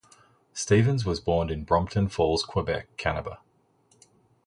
Stevens was born in Brompton Falls, Quebec, Canada.